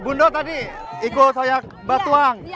bundo tadi ikut hoyak batuang